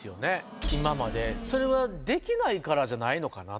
それはできないからじゃないのかなと。